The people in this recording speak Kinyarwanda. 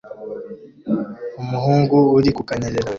Umuhungu uri ku kanyerera